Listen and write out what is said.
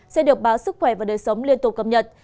sẽ được báo sức khỏe và đời sống liên tục cập nhật